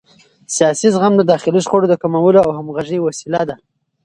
سیاسي زغم د داخلي شخړو د کمولو او همغږۍ وسیله ده